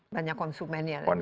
banyak konsumen ya